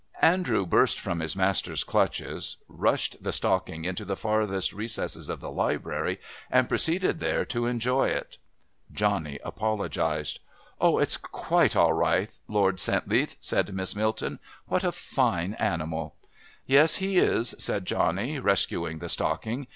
Andrew burst from his master's clutches, rushed the stocking into the farthest recesses of the Library, and proceeded there to enjoy it. Johnny apologised. "Oh, it's quite all right, Lord St. Leath," said Miss Milton. "What a fine animal!" "Yes, he is," said Johnny, rescuing the stocking.